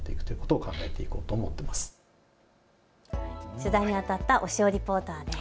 取材にあたった押尾リポーターです。